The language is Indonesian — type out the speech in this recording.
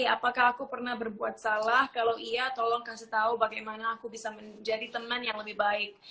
apakah aku pernah berbuat salah kalau iya tolong kasih tahu bagaimana aku bisa menjadi teman yang lebih baik